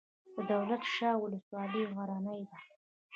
د دولت شاه ولسوالۍ غرنۍ ده